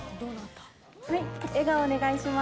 笑顔、お願いします。